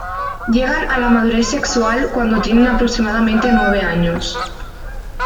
Llegan a la madurez sexual cuando tienen aproximadamente nueve años.